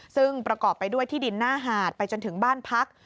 ซึ่งประกอบไปด้วยที่ดินหน้าหาดไปจนถึงบ้านพัก